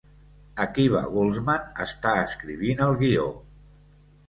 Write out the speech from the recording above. Akiva Goldsman està escrivint el guió.